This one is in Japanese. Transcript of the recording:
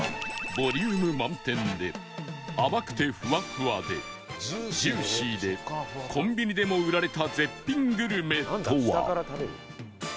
ボリューム満点で甘くてふわふわでジューシーでコンビニでも売られた絶品グルメとは？